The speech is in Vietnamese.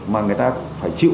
mà người ta phải chịu